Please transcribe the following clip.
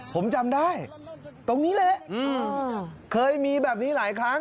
ผมจำได้ตรงนี้แหละเคยมีแบบนี้หลายครั้ง